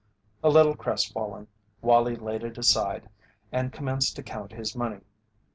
A little crest fallen, Wallie laid it aside and commenced to count his money.